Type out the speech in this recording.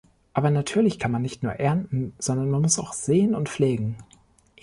Aber natürlich kann man nicht nur ernten, sondern man muss auch säen und pflegen.